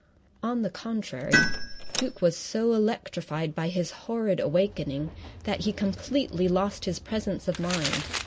On the contrary, Duke was so electrified by his horrid awakening that he completely lost his presence of mind.